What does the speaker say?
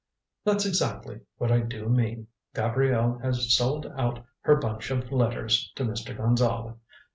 "That's exactly what I do mean. Gabrielle has sold out her bunch of letters to Mr. Gonzale.